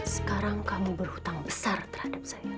sekarang kamu berhutang besar terhadap saya